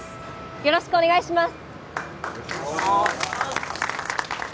よろしくお願いします